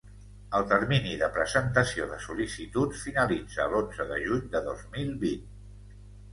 El termini de presentació de sol·licituds finalitza l'onze de juny de dos mil vint.